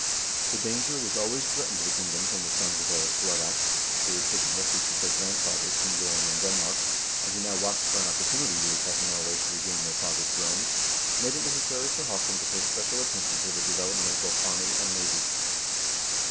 The danger which always threatened the kingdom from the sons of Eirik Blood Ax, who had taken refuge with their grandfather, King Gorm, in Denmark, and who now watched for an opportunity to attack Norway to regain their father's throne, made it necessary for Haakon to pay special attention to the development of both army and navy.